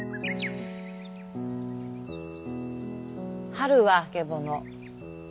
「春はあけぼの。